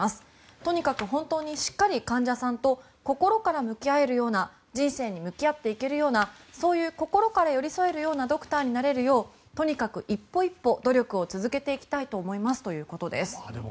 とにかく本当にしっかり患者さんと心から向き合えるような人生に向き合っていけるようなそういう心から寄り添えるドクターになれるようとにかく一歩一歩努力を続けていきたいということです。